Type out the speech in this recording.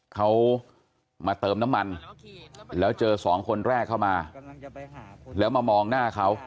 เขามาเติมน้ำมันแล้วเจอสองคนแรกเข้ามาแล้วมามองหน้าเขา